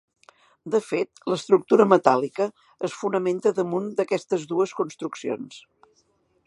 De fet, l'estructura metàl·lica es fonamenta damunt d'aquestes dues construccions.